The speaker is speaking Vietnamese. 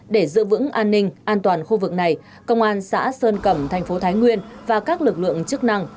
để giữ vững an ninh an toàn khu vực này công an xã sơn cẩm thành phố thái nguyên và các lực lượng chức năng